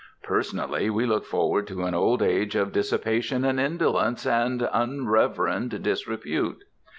Personally we look forward to an old age of dissipation and indolence and unreverend disrepute.